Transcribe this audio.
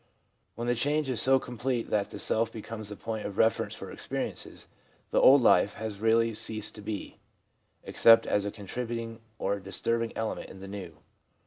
When the change is so complete that the self be comes a point of reference for experiences, the old life has really ceased to be, except as a contributing or a disturbing element in the new.